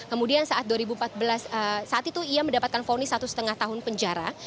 kemudian saat dua ribu empat belas saat itu ia mendapatkan vonis satu lima tahun penjara